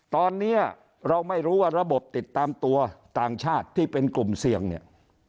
ตอนนี้เราไม่รู้ว่าระบบติดตามตัวต่างชาติที่เป็นกลุ่มเสี่ยงเนี่ย